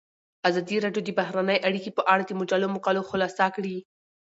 ازادي راډیو د بهرنۍ اړیکې په اړه د مجلو مقالو خلاصه کړې.